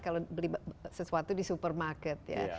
kalau beli sesuatu di supermarket ya